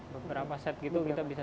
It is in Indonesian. beberapa set gitu kita bisa